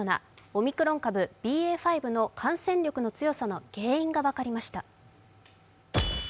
オミクロン株ＢＡ．５の感染力の強さの原因が分かりました。